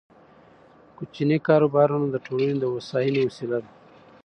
کوچني کاروبارونه د ټولنې د هوساینې وسیله ده.